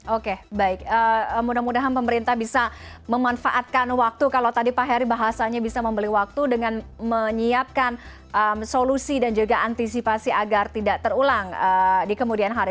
oke baik mudah mudahan pemerintah bisa memanfaatkan waktu kalau tadi pak heri bahasanya bisa membeli waktu dengan menyiapkan solusi dan juga antisipasi agar tidak terulang di kemudian hari